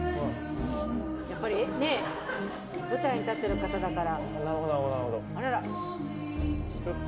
やっぱり舞台に立ってる方だから。